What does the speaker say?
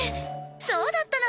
そうだったの。